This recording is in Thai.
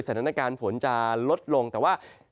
สถานการณ์ฝนจะลดลงแต่ว่า